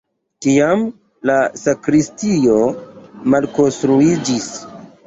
Tiam la sakristio malkonstruiĝis.